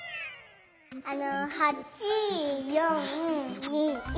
あの８４２１。